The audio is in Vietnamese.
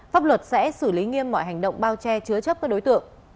pháp luật sẽ xử lý nghiêm mọi hành động bao che chứa chấp các đối tượng